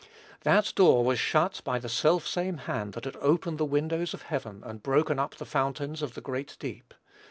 That door was shut by the self same hand that had opened the windows of heaven, and broken up the fountains of the great deep.